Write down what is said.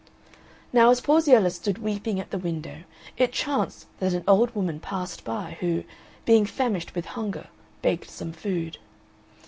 Now as Porziella stood weeping at the window it chanced that an old woman passed by who, being famished with hunger, begged some food.